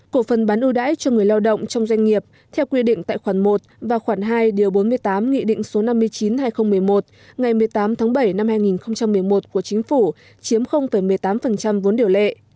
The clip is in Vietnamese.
cổ phần bán ưu đãi cho người lao động trong doanh nghiệp theo quy định tại khoản một và khoản hai điều bốn mươi tám nghị định số năm mươi chín hai nghìn một mươi một ngày một mươi tám tháng bảy năm hai nghìn một mươi một của chính phủ chiếm một mươi tám vốn điều lệ